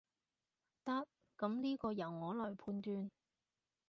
得，噉呢個由我來判斷